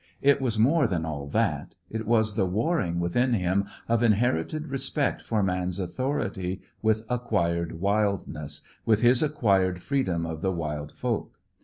It was more than all that. It was the warring within him of inherited respect for man's authority with acquired wildness; with his acquired freedom of the wild folk.